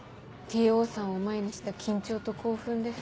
Ｔ・Ｏさんを前にした緊張と興奮で。